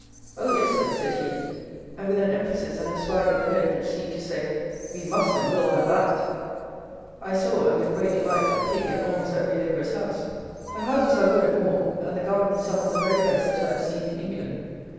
"Oh, yes! Sir," said he, and with an emphasis and a swag of the head which seemed to say, "We must and will have that." I saw, and with great delight, a pig at almost every labourer's house. The houses are good and warm; and the gardens some of the very best that I have seen in England.